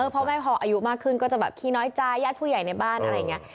พ่อแม่พออายุมากขึ้นก็จะแบบขี้น้อยใจญาติผู้ใหญ่ในบ้านอะไรอย่างนี้